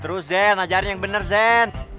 terus jen ajarin yang bener zen